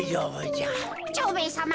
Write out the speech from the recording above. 蝶兵衛さま